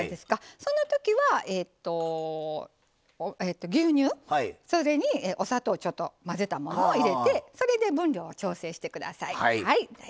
そのときは牛乳それに、お砂糖をちょっと混ぜたものを入れてそれで分量を調整してください。